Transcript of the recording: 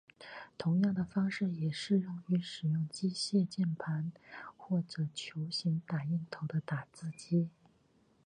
同样的方式也适用于使用机械键盘或者球形打印头的打字机。